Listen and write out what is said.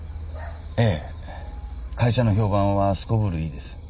ええ会社の評判はすこぶるいいです。